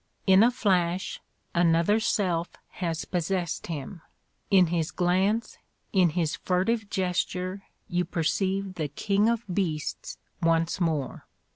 In a flash another self has possessed him: in his glance, in his furtive gesture you perceive the king of beasts once more.